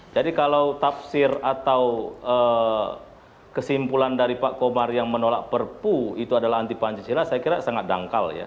jadi kalau tafsir atau kesimpulan dari pak komar yang menolak perpu itu adalah anti pancasila saya kira sangat dangkal ya